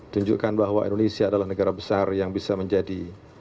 tunjukkan bahwa indonesia adalah negara besar yang bisa menjadi